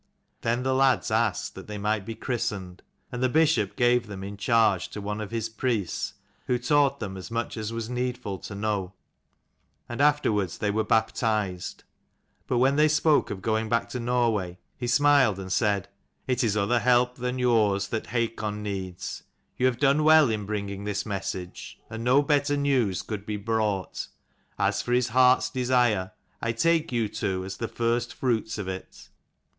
Then the lads asked that they might be christened : and the bishop gave them in charge to one of his priests, who taught them as much as it was needful to know : and afterwards they were baptised. But when they spoke of going back to Norway, he smiled and said, " It is other help than yours that Hakon needs. You have done well in bringing this message, and no better news could be brought. As for his heart's desire, I take you two as the first fruits of it.